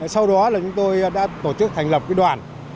sau đó là chúng tôi đã tổ chức thành lập đoàn